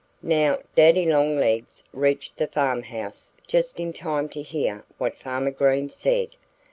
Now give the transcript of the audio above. Now, Daddy Longlegs reached the farmhouse just in time to hear what Farmer Green said.